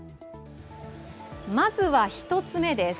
まずは１つ目です。